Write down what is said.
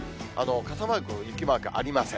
傘マーク、雪マークありません。